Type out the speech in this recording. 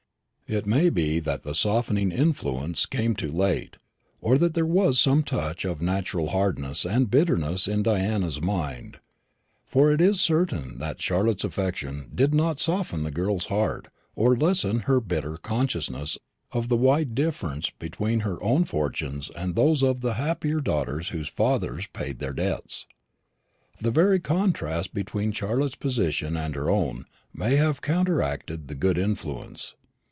It may be that the softening influence came too late, or that there was some touch of natural hardness and bitterness in Diana's mind; for it is certain that Charlotte's affection did not soften the girl's heart or lessen her bitter consciousness of the wide difference between her own fortunes and those of the happier daughters whose fathers paid their debts. The very contrast between Charlotte's position and her own may have counteracted the good influence.